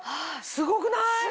すごくない？